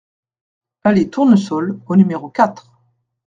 Allée Tournesol au numéro quatre